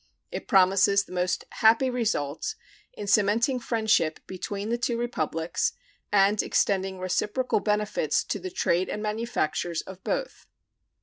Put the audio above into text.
It promises the most happy results in cementing friendship between the two Republics and extending reciprocal benefits to the trade and manufactures of both.